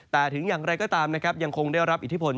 แต่ถึงอย่างไรก็ตามนะครับยังคงได้รับอิทธิพล